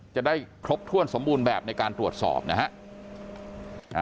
จะได้ครบถ้วนสมบูรณ์แบบในการตรวจสอบนะฮะ